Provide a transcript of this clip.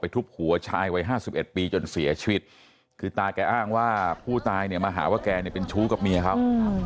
ทุบหัวชายวัย๕๑ปีจนเสียชีวิตคือตาแกอ้างว่าผู้ตายเนี่ยมาหาว่าแกเนี่ยเป็นชู้กับเมียเขา